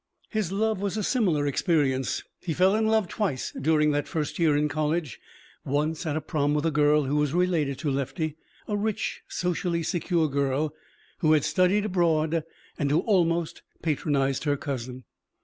His love was a similar experience. He fell in love twice during that first year in college. Once at a prom with a girl who was related to Lefty a rich, socially secure girl who had studied abroad and who almost patronized her cousin.